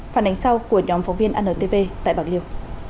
phản ánh sau của nhóm phóng viên antv tại bạc liêu